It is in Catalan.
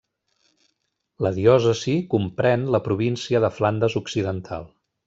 La diòcesi comprèn la província de Flandes Occidental.